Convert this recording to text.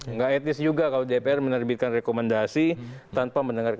nggak etis juga kalau dpr menerbitkan rekomendasi tanpa mendengar